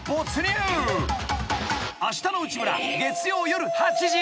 ［『あしたの内村！！』月曜夜８時］